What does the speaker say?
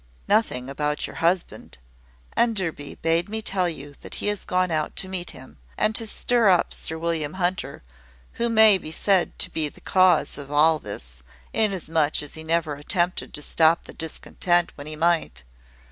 "Nothing about your husband. Enderby bade me tell you that he is gone out to meet him, and to stir up Sir William Hunter, who may be said to be the cause of all this, inasmuch as he never attempted to stop the discontent when he might.